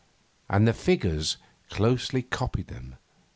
And the figures closely copied them.